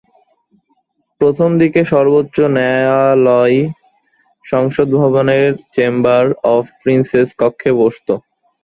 প্রথম দিকে সর্বোচ্চ ন্যায়ালয় সংসদ ভবনের চেম্বার অফ প্রিন্সেস কক্ষে বসত।